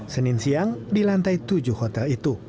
senin siang di lantai tujuh hotel itu